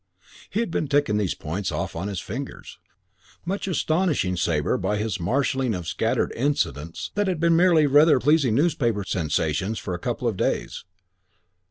He had been ticking these points off on his fingers, much astonishing Sabre by his marshalling of scattered incidents that had been merely rather pleasing newspaper sensations of a couple of days.